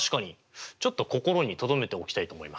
ちょっと心にとどめておきたいと思います。